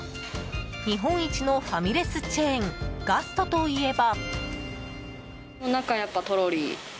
日本一のファミレスチェーンガストといえば。